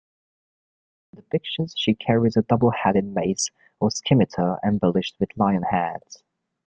In ancient depictions, she carries a double-headed mace or scimitar embellished with lion heads.